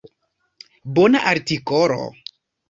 Bona artikolo.